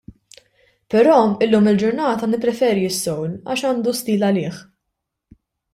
Però llum il-ġurnata nippreferi s-soul għaliex għandu stil għalih.